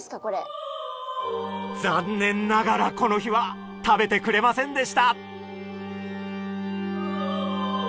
残念ながらこの日は食べてくれませんでした。